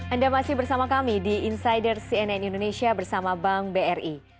anda masih bersama kami di insider cnn indonesia bersama bank bri